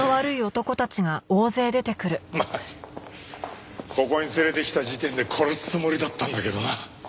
まあここに連れてきた時点で殺すつもりだったんだけどな。